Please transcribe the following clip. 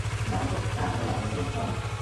জানোই তো, এই আর্টিকেলে একজনকে রোস্ট করা হবে!